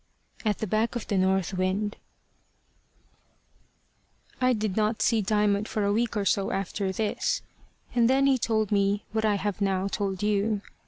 AT THE BACK OF THE NORTH WIND I DID not see Diamond for a week or so after this, and then he told me what I have now told you.